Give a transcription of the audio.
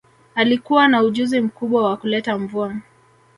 Alikuwa na ujuzi mkubwa wa kuleta mvua